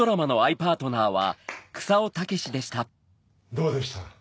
どうでした？